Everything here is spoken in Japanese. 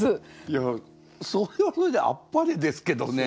いやそれはそれであっぱれですけどね。